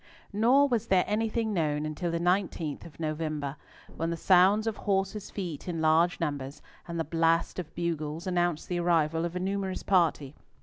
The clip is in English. Nor was there anything known until the 19th of November, when the sound of horses' feet in large numbers, and the blast of bugles, announced the arrival of a numerous party.